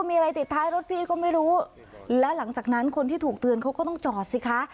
มีอะไรติดท้ายรถพี่ก็ไม่รู้แล้วหลังจากนั้นคนที่ถูกเตือนเขาก็ต้องจอดสิคะ